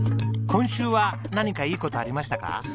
今週は何かいい事ありましたか？